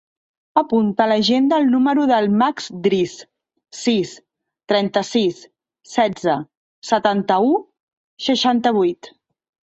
Apunta a l'agenda el número del Max Dris: sis, trenta-sis, setze, setanta-u, seixanta-vuit.